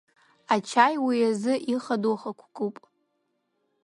Ачаи уи изы ихадоу хықәкуп.